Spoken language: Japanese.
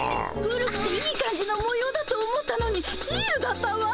古くていい感じのもようだとおもったのにシールだったわ。